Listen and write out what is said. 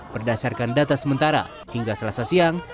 berdasarkan data sementara hingga selasa siang